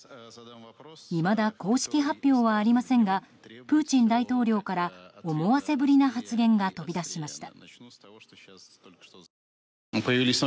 いまだ、公式発表はありませんがプーチン大統領から思わせぶりな発言が飛び出しました。